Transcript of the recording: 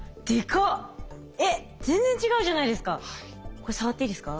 これ触っていいですか？